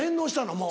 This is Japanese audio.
もう。